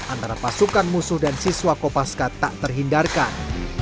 antara pasukan musuh dan siswa kopaska tak terhindarkan